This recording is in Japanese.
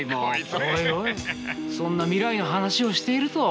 おいおいそんな未来の話をしていると。